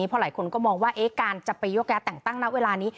เพราะหลายคนก็มองว่าการจะไปโยกย้ายแต่งตั้งณเวลานี้